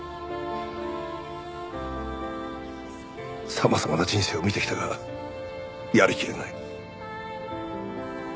様々な人生を見てきたがやりきれない。